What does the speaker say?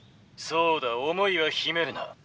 「そうだ思いは秘めるな。